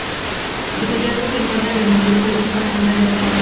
Los hallazgos se encuentran en el Museo Arqueológico Nacional de Atenas.